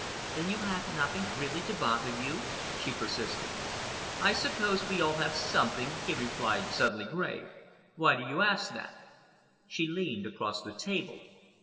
"Then you have nothing really to bother you?" she persisted. "I suppose we all have something," he replied, suddenly grave. "Why do you ask that?" She leaned across the table.